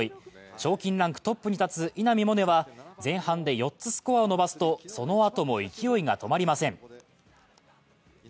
賞金ランクトップに立つ稲見萌寧は前半で４つスコアを伸ばすとそのあとも勢いが止まりません。